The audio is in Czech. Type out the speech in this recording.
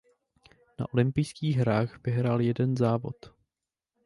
Na olympijských hrách vyhrál jeden závod.